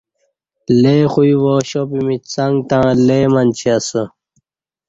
لے خوی وا شاپمیچ څنگ تݩع لے منچی اسہ